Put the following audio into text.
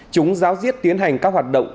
chúng giáo diết tiến hành các hoạt động